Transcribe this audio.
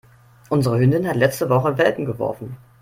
Unsere Hündin hat letzte Woche Welpen geworfen.